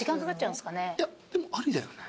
いやでもありだよね。